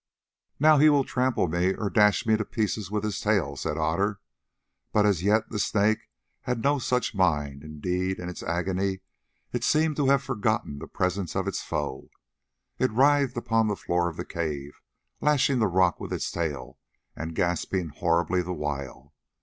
"Now he will trample me or dash me to pieces with his tail," said Otter; but as yet the Snake had no such mind—indeed, in its agony it seemed to have forgotten the presence of its foe. It writhed upon the floor of the cave, lashing the rock with its tail, and gasping horribly the while.